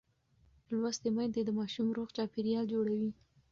لوستې میندې د ماشوم روغ چاپېریال جوړوي.